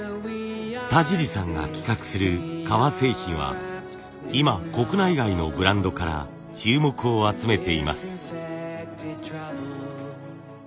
田尻さんが企画する革製品は今国内外のブランドから注目を集めています。